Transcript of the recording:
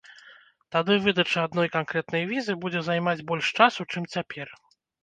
Тады выдача адной канкрэтнай візы будзе займаць больш часу, чым цяпер.